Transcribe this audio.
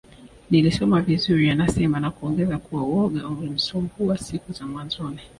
Nilisoma vizuri anasema na kuongeza kuwa woga ulimsumbua siku za mwanzoni